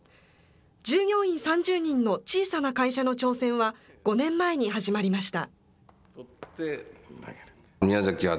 従業員３０人の小さな会社の挑戦は、５年前に始まりました。